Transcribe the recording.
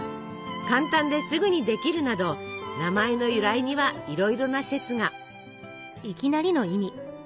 簡単ですぐにできるなど名前の由来にはいろいろな説が。